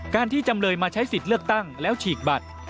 ที่จำเลยมาใช้สิทธิ์เลือกตั้งแล้วฉีกบัตร